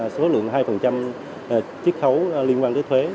số lượng hai chiếc khấu liên quan tới thuế